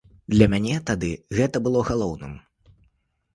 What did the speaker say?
Для мяне тады гэта было галоўным.